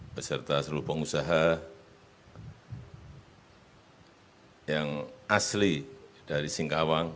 beserta seluruh pengusaha yang asli dari singkawang